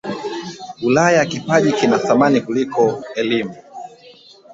ulaya kipaji kina thamani kuliko elimu